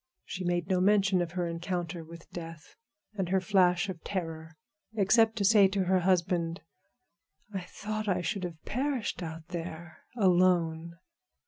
She made no mention of her encounter with death and her flash of terror, except to say to her husband, "I thought I should have perished out there alone."